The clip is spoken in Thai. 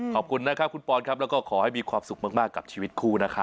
ขอบคุณนะครับคุณปอนครับแล้วก็ขอให้มีความสุขมากกับชีวิตคู่นะครับ